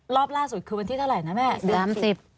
รอบล่าสุดคือวันที่เท่าไหร่นะแม่